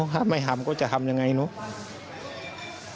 ถ้าไม่ทำก็จะทำยังไงเนอะ